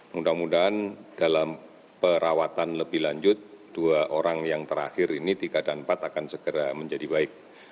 mudah mudahan dalam perawatan lebih lanjut dua orang yang terakhir ini tiga dan empat akan segera menjadi baik